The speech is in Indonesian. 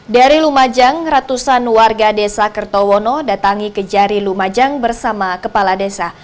dari lumajang ratusan warga desa kertowono datangi kejari lumajang bersama kepala desa